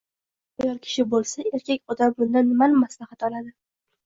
Bu ayol kishi bo`lsa, erkak odam bundan nimani maslahat oladi